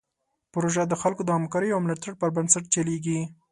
پروژه د خلکو د همکاریو او ملاتړ پر بنسټ چلیږي.